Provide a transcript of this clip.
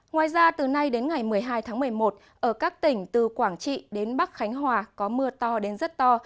ngoài ra từ nay đến ngày một mươi hai tháng một mươi một ở các tỉnh từ quảng trị đến bắc khánh hòa có mưa to đến rất to